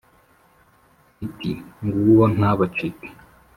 iti « nguwo ntabacike !»